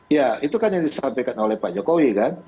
ya itu kan yang disampaikan oleh pak jokowi kan